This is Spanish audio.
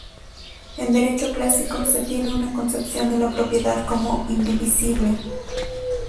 En derecho clásico se tiene una concepción de la propiedad como indivisible.